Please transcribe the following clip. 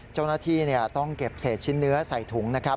เจ้าหน้าที่ต้องเก็บเศษชิ้นเนื้อใส่ถุงนะครับ